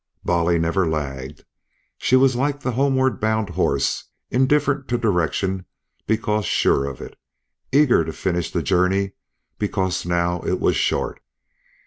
Bolly never lagged; she was like the homeward bound horse, indifferent to direction because sure of it, eager to finish the journey because now it was short.